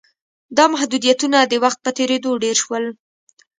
دا محدودیتونه د وخت په تېرېدو ډېر شول.